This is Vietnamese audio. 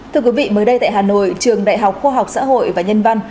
thưa quý vị mới đây tại hà nội trường đại học khoa học xã hội và nhân văn